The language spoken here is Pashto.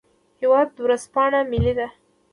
هیواد ورځپاڼه ملي ده